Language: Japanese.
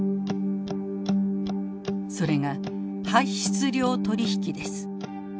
それが排出量取引です。